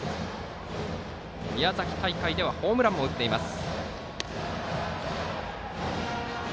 宮崎大会ではホームランも打っています。